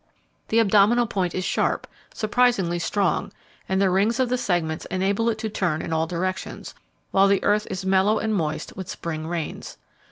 The abdominal point is sharp, surprisingly strong, and the rings of the segments enable it to turn in all directions, while the earth is mellow and moist with spring rains.